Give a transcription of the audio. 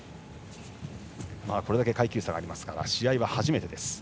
これだけ階級差がありますから試合は初めてです。